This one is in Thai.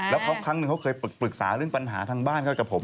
แล้วครั้งหนึ่งเขาเคยปรึกษาเรื่องปัญหาทางบ้านเขากับผม